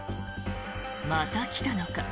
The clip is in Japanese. また来たのか。